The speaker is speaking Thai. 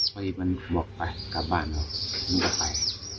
พออีกมันบอกไปกลับบ้านครับมันก็ไป